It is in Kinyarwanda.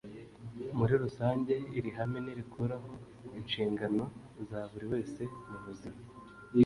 muri rusange. iri hame ntirikuraho inshingano za buri wese mu buzima,